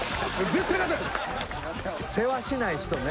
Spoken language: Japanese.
せわしない人ね。